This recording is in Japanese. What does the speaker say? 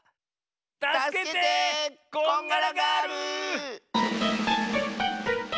たすけてこんがらガール！